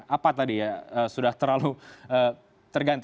apa tadi ya sudah terlalu terganti